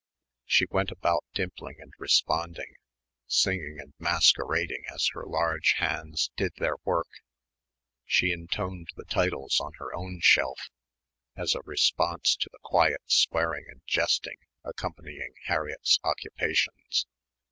She went about dimpling and responding, singing and masquerading as her large hands did their work. She intoned the titles on her own shelf as a response to the quiet swearing and jesting accompanying Harriett's occupations.